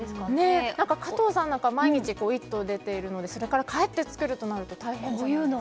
加藤さんなんか、毎日「イット！」に出ているのでそれから帰って作るとなると大変ですよね。